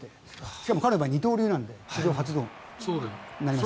しかも彼は二刀流なので史上初となります。